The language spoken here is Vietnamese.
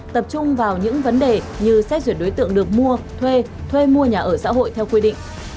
tập trung vào những vấn đề như xét duyệt đối tượng được mua thuê thuê mua nhà ở xã hội theo quy định